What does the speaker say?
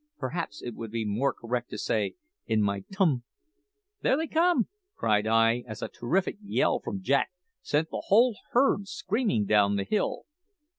Perhaps it would be more correct to say in my tum " "There they come!" cried I as a terrific yell from Jack sent the whole herd screaming down the hill.